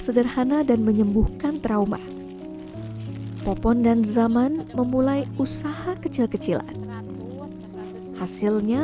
sederhana dan menyembuhkan trauma popon dan zaman memulai usaha kecil kecilan hasilnya